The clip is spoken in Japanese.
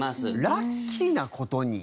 「ラッキーな事に」？